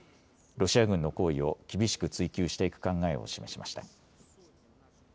ロシア軍の行為を厳しく追及していく考えを示しました。